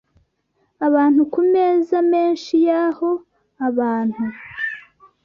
abantu ku meza menshi y’aho abantu